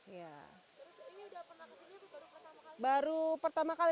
ini sudah pernah ke sini atau baru pertama kali